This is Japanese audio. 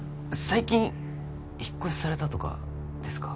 最近引っ越しされたとかですか？